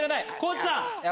地さん。